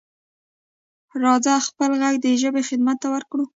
راځه خپل غږ د ژبې خدمت ته ورکړو.